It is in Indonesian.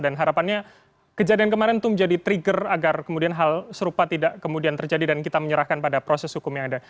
dan harapannya kejadian kemarin itu menjadi trigger agar kemudian hal serupa tidak kemudian terjadi dan kita menyerahkan pada proses hukum yang ada